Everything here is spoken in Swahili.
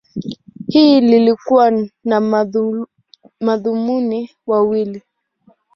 Hili lilikuwa na madhumuni mawili.